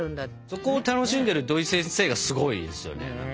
そこを楽しんでる土井先生がすごいですよね。